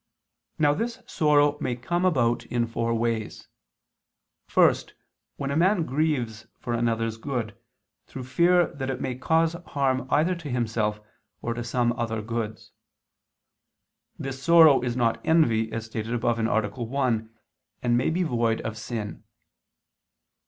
Now this sorrow may come about in four ways. First, when a man grieves for another's good, through fear that it may cause harm either to himself, or to some other goods. This sorrow is not envy, as stated above (A. 1), and may be void of sin.